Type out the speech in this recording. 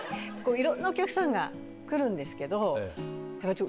いろんなお客さんが来るんですけど。